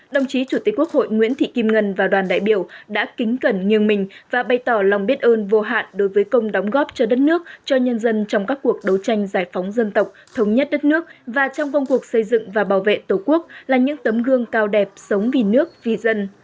đồng chí chủ tịch quốc hội nguyễn thị kim ngân và đoàn đại biểu đã kính cẩn nghiêng mình và bày tỏ lòng biết ơn vô hạn đối với công đóng góp cho đất nước cho nhân dân trong các cuộc đấu tranh giải phóng dân tộc thống nhất đất nước và trong công cuộc xây dựng và bảo vệ tổ quốc là những tấm gương cao đẹp sống vì nước vì dân